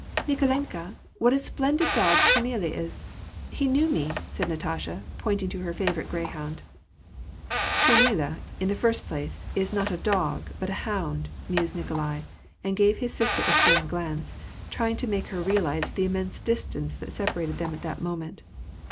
'^ Kikolenka, what a splendid dog Trunila is ! He knew me ! said Natasha, pointing to her favorite greyhound. '< Trunila, in the first place, is not a dog, but a hound^" mused Nikolai, and gave his sister a stern glanoe, trying to make her realize the immense distance that separated them at that moment.